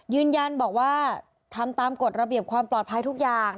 ยืนยันบอกว่าทำตามกฎระเบียบความปลอดภัยทุกอย่าง